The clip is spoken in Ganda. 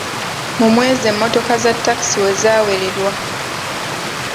Mu mwezi emmotoka za takisi wezaawerwa.